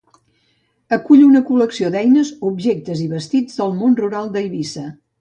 Acull una col·lecció d'eines, objectes i vestits del món rural d'Eivissa.